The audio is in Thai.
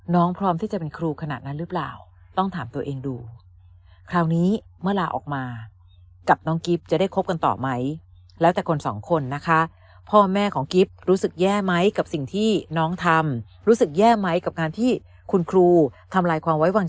น้องพร้อมที่จะเป็นครูขนาดนั้นหรือเปล่าต้องถามตัวเอง